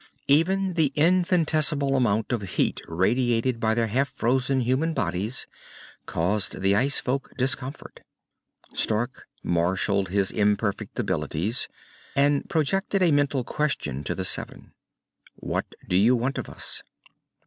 Even the infinitesimal amount of heat radiated by their half frozen human bodies caused the ice folk discomfort. Stark marshalled his imperfect abilities and projected a mental question to the seven. "What do you want of us?"